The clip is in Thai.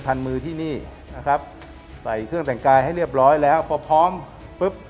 มือที่นี่นะครับใส่เครื่องแต่งกายให้เรียบร้อยแล้วพอพร้อมปุ๊บ